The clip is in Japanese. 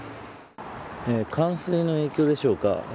冠水の影響でしょうか。